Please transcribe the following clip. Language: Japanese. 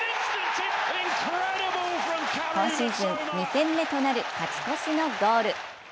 今シーズン２点目となる勝ち越しのゴール。